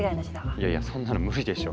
いやいやそんなの無理でしょ。